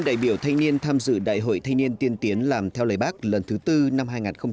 bốn trăm bốn mươi năm đại biểu thanh niên tham dự đại hội thanh niên tiên tiến làm theo lời bác lần thứ tư năm hai nghìn một mươi sáu